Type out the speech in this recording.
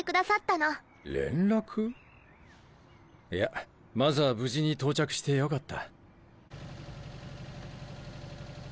いやまずは無事に到着してよかった。